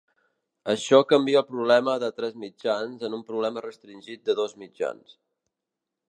Això canvia el problema de tres mitjans en un problema restringit de dos mitjans.